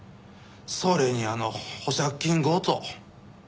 それにあの保釈金強盗。